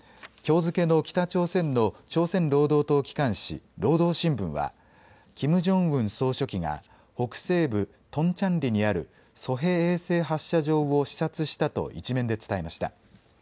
きょう付けの北朝鮮の朝鮮労働党機関紙、労働新聞はキム・ジョンウン総書記が北西部トンチャンリにあるソヘ衛星発射場を視察したと１面で伝えました。